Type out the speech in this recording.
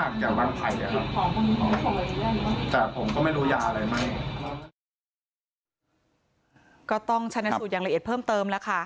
ก็ต้องชนะสูตรอย่างละเอียดเพิ่มเติมแล้วค่ะ